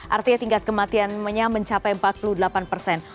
artinya tingkat kematiannya mencapai empat puluh delapan persen